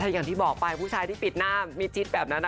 อย่างที่บอกไปผู้ชายที่ปิดหน้ามิดชิดแบบนั้น